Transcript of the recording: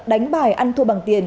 đánh bài ăn thua bằng tiền